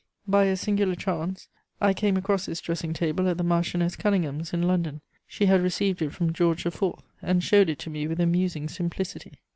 '" By a singular chance I came across this dressing table at the Marchioness Conyngham's in London; she had received it from George IV., and showed it to me with amusing simplicity.